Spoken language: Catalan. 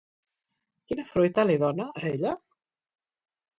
Quina fruita li dona a ella?